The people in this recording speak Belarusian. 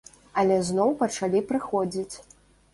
Але зноў пачалі прыходзіць.